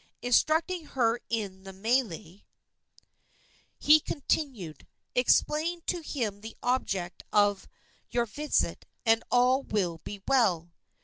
Instructing her in the mele, he continued: "Explain to him the object of your visit, and all will be well."